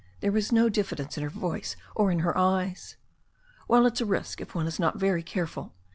There was no diffidence in her voice or in her eyes. "Well, it's a risk if one is not very careful."